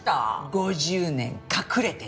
５０年隠れてねえ。